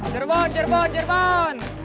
jerbon jerbon jerbon